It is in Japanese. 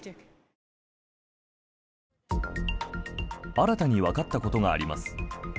新たにわかったことがあります。